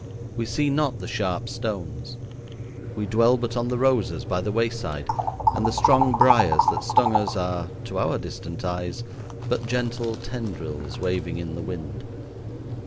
We see not the sharp stones. We dwell but on the roses by the wayside, and the strong briers that stung us are, to our distant eyes, but gentle tendrils waving in the wind.